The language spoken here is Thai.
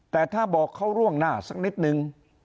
แต่ถ้าบอกเขาร่วงหน้าสักนิดนึง